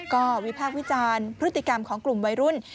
ก็วิพากษ์วิจารณ์พฤติกรรมของกลุ่มวัยรุ่น